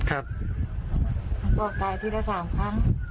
แล้วก็ตายทีละสามครั้ง